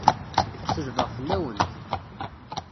Selbeɣ fell-awent!